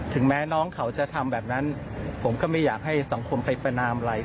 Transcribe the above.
แม้น้องเขาจะทำแบบนั้นผมก็ไม่อยากให้สังคมไปประนามอะไร